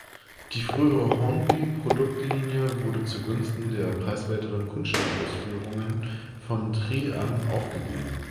Die frühere Hornby-Produktlinie wurde zugunsten der preiswerteren Kunststoff-Ausführungen von Tri-ang aufgegeben.